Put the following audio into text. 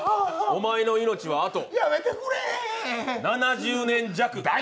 お前の命はあと７０年弱だ。